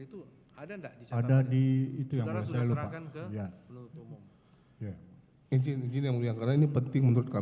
itu ada enggak ada di itu yang bisa lakukan ke ya ya